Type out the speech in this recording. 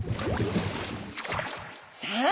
さあ